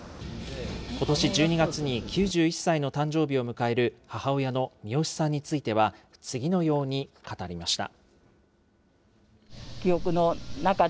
ことし１２月に９１歳の誕生日を迎える母親のミヨシさんについては、次のように語りました。